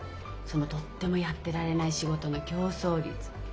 そのとってもやってられない仕事の競争率。